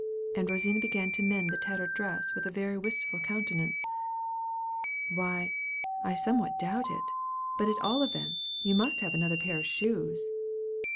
and Rosina began to mend the tattered dress with a very wistful countenance. "Why, I somewhat doubt it; but at all events, you must have another pair of shoes."